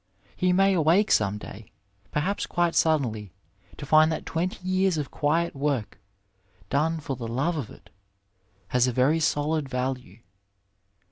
He may awake some day, perhaps, quite suddenly, to find that twenty years of quiet work, done for the love of it, has a very solid value.